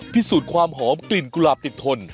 พิสูจน์ความหอมกลิ่นกุหลาบติดทน